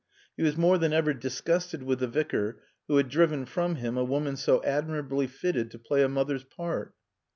He was more than ever disgusted with the Vicar who had driven from him a woman so admirably fitted to play a mother's part.